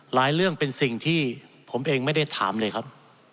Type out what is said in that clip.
เรื่องเป็นสิ่งที่ผมเองไม่ได้ถามเลยครับ